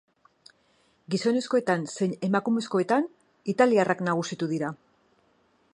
Gizonezkoetan zein emakumezkoetan italiarrak nagusitu dira.